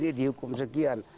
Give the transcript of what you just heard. di sini dihukum sekian